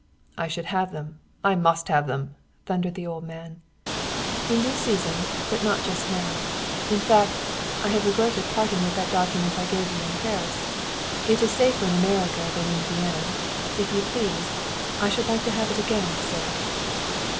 "I should have them; I must have them!" thundered the old man. "In due season; but not just now. In fact, I have regretted parting with that document I gave you in Paris. It is safer in America than in Vienna. If you please, I should like to have it again, sir."